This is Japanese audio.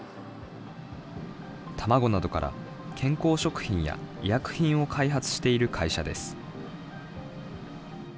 卵などから健康食品や医薬品を開発している会社です。